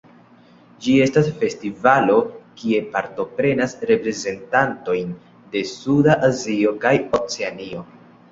Ĝi estas festivalo kie partoprenas reprezentantojn de suda Azio kaj Oceanio.